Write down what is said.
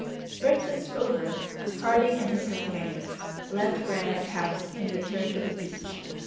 Breakfast over, Harding and his companions left Granite House and returned to the beach.